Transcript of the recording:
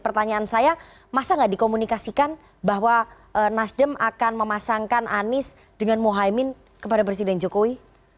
pertanyaan saya masa nggak dikomunikasikan bahwa nasdem akan memasangkan anies dengan mohaimin kepada presiden jokowi